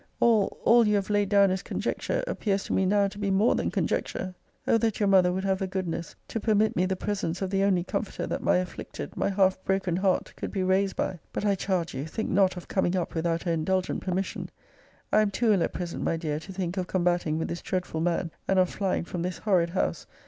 All, all, you have laid down as conjecture, appears to me now to be more than conjecture! O that your mother would have the goodness to permit me the presence of the only comforter that my afflicted, my half broken heart, could be raised by. But I charge you, think not of coming up without her indulgent permission. I am too ill at present, my dear, to think of combating with this dreadful man; and of flying from this horrid house!